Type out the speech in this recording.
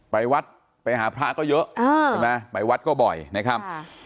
ไปวัดไปหาพระก็เยอะใช่ไหมไปวัดก็บ่อยนะครับ